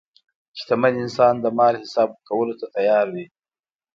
شتمن انسان د مال حساب ورکولو ته تیار وي.